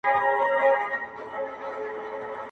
• ګوره یو څه درته وایم دا تحلیل دي ډېر نا سم دی..